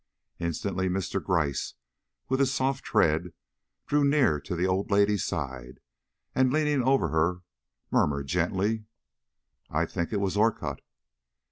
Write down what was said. Instantly Mr. Gryce, with his soft tread, drew near to the old lady's side, and, leaning over her, murmured gently: "I think it was Orcutt."